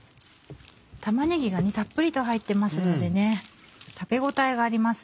玉ねぎがたっぷりと入ってますので食べ応えがあります。